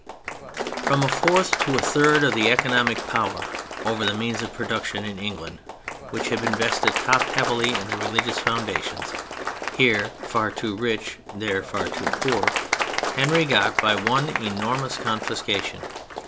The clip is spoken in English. From a fourth to a third of the economic power over the means of production in England, which had been vested top heavily in the religious foundations—here, far too rich, there, far too poor—Henry got by one enormous confiscation.